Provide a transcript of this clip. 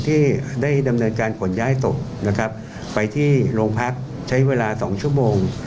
ที่ได้ดำเนินการขนย้ายศพนะครับไปที่โรงพักใช้เวลา๒ชั่วโมง